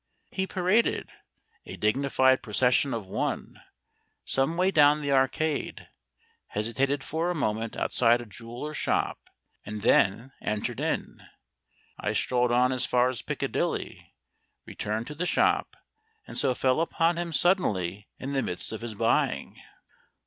He paraded, a dignified procession of one, some way down the Arcade, hesitated for a moment outside a jeweller's shop, and then entered it. I strolled on as far as Piccadilly, returned to the shop, and so fell upon him suddenly in the midst of his buying.